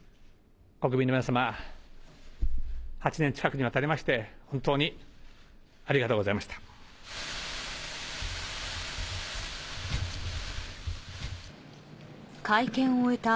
国民の皆様、８年近くにわたりまして、本当にありがとうございました。